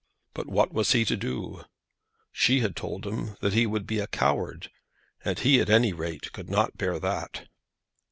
But what was he to do? She told him that he would be a coward, and he at any rate could not bear that.